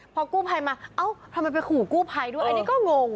พอกู้ภัยมาเอ้าทำไมไปขู่กู้ภัยด้วยอันนี้ก็งง